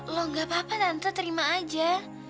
loh gak apa apa tante terima aja